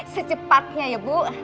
secepatnya ya bu